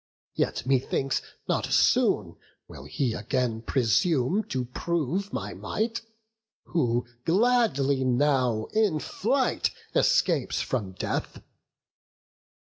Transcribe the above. yet methinks not soon Will he again presume to prove my might, Who gladly now in flight escapes from death.